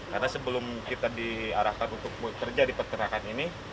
karena sebelum kita diarahkan untuk bekerja di perkerjaan ini